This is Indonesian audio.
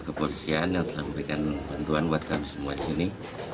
kepolisian yang telah memberikan bantuan buat kami semua di sini